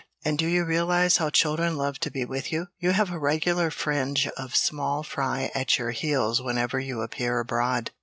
And do you realize how children love to be with you? You have a regular fringe of small fry at your heels whenever you appear abroad."